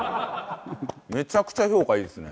めちゃくちゃ評価いいですね。